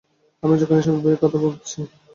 আমি যখন এইসব বইয়ের কথা ভাবছি।